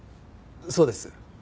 そうです。